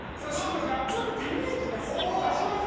ちょっと足りない気がする。